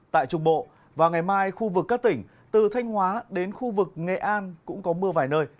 tại trung bộ và ngày mai khu vực các tỉnh từ thanh hóa đến khu vực nghệ an cũng có mưa vài nơi